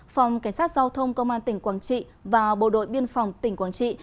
phòng cảnh sát giao thông công an tỉnh quảng trị và bộ đội biên phòng tỉnh quảng trị